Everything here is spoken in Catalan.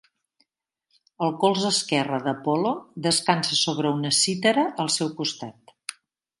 El colze esquerre d'Apol·lo descansa sobre una cítara al seu costat.